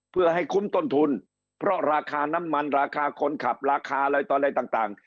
เพื่อให้คุ้มต้นทุนเพราะราคาน้ำมันราคาคนขับราคาอะไรต่ออะไรต่าง